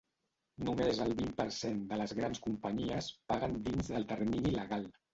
Només el vint per cent de les grans companyies paguen dins del termini legal.